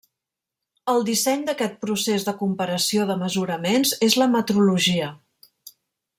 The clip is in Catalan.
El disseny d'aquest procés de comparació de mesuraments és la metrologia.